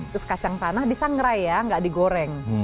terus kacang tanah disangrai ya nggak digoreng